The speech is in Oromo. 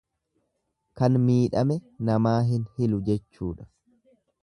Kan miidhame namaa hin hilu jechuudha.